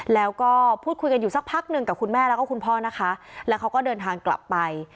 แล้วก็พูดคุยกันอยู่สักพักหนึ่งกับคุณแม่แล้วก็คุณพ่อนะคะแล้วเขาก็เดินทางกลับไป